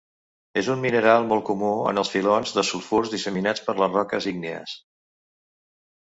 És un mineral molt comú en els filons de sulfurs disseminats per les roques ígnies.